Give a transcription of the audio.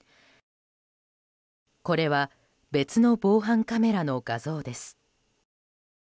これは別の防犯カメラの画像です。